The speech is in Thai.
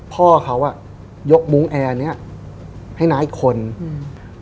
พ่อเขาอ่ะยกมุ้งแอร์เนี้ยให้น้าอีกคนอืม